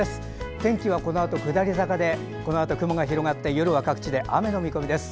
天気はこのあと下り坂でこのあと雲が広がって夜は各地で雨の見込みです。